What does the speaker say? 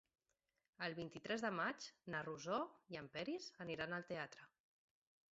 El vint-i-tres de maig na Rosó i en Peris aniran al teatre.